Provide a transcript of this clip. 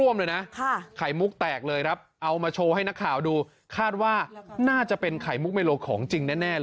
มาโชว์ให้นักข่าวดูคาดว่าน่าจะเป็นไข่มุกเมโลของจริงแน่เลย